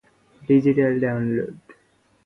Digital download